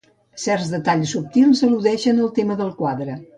Certs detalls subtils al·ludeixen el tema del quadre.